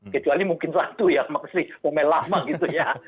kecuali mungkin satu ya maksudnya pemain lama gitu ya